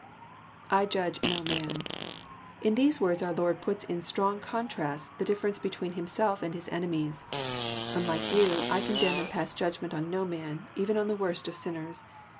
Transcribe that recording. [^I judge no man.'] In these words oor Lord puts in strong contrast the difference between Himjielf and His enemies. <' Unlike you, I condemn and pass judgment on no man, even on the worst of sinners.